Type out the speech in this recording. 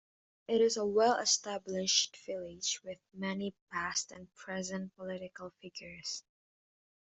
It is a well established village with many past and present political figures.